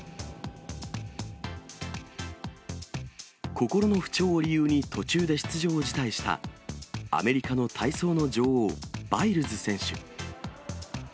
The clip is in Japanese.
心の不調を理由に途中で出場を辞退した、アメリカの体操の女王、バイルズ選手。